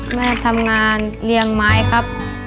แม่ทำงานเลี้ยงไม้ครับ